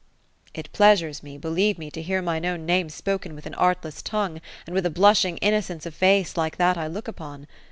'^ It pleasures me, believe me, to hear mine own name spoken with an artless tongue, and with a blushing innocence of face like that I look upon.